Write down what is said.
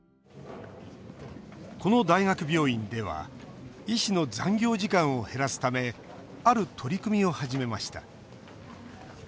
この大学病院では医師の残業時間を減らすためある取り組みを始めました